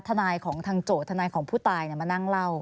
ทนายของทางโจทย์ทนายของผู้ตายมานั่งเล่า